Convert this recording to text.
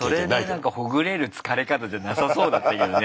それでなんかほぐれる疲れ方じゃなさそうだったけどね。